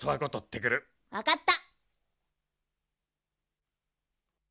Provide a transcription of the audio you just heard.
わかった。